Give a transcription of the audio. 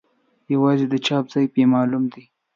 یوازې د چاپ ځای یې معلوم دی.